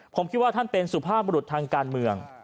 ผมคิดว่าท่านเป็นสุภาพบรุษทางการเมือง